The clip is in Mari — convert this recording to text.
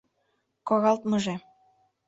— Коралтмыже...